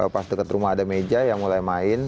pas dekat rumah ada meja yang mulai main